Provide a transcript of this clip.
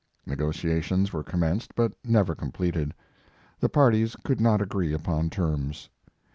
Negotiations were commenced but never completed. The parties could not agree upon terms.